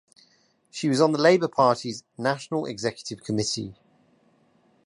She was on the Labour party's National Executive Committee.